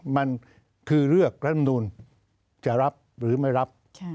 มันคือเลือกรัฐมนุนจะรับหรือไม่รับ